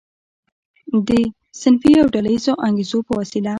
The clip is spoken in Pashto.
د صنفي او ډله ییزو انګیزو په وسیله.